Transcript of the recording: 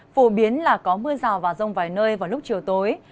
phổ biến là có mưa rào và rông vài nơi vào lúc chiều tối